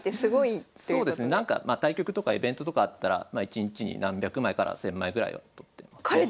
対局とかイベントとかあったら一日に何百枚から千枚ぐらいは撮ってますね。